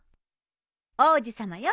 王子様よ。